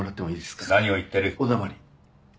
お黙り。